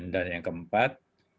dan yang keempat